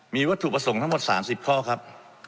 มีวัตถุประสงค์ทั้งหมด๓๐ข้อครับ